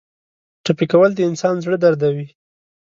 ټپي کول د انسان زړه دردوي.